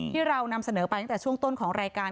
ที่เรานำเสนอไปตั้งแต่ช่วงต้นของรายการ